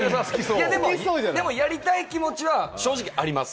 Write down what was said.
でもやりたい気持ちは正直あります。